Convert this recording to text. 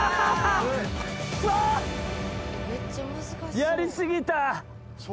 やり過ぎた。